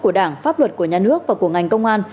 của đảng pháp luật của nhà nước và của ngành công an